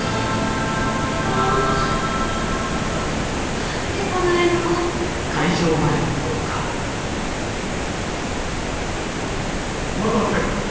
もう何で来ないの！お待たせ。